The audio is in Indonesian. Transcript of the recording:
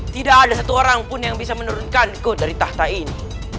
tidak ada satu orang pun yang bisa menurunkanku dari tahta ini